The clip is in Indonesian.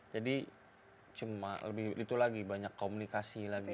jadi cuma lebih itu lagi banyak komunikasi lagi